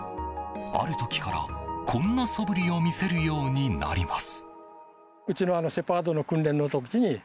ある時から、こんな素振りを見せるようになります。